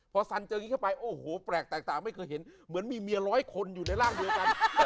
พอสันเจออย่างนี้เข้าไปโอ้โหแปลกแตกต่างไม่เคยเห็นเหมือนมีเมียร้อยคนอยู่ในร่างเดียวกัน